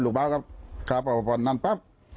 ลูกบาลกับพลานนั่นป๊ะ